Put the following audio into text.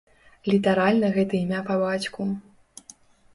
Літаральна гэта імя па бацьку.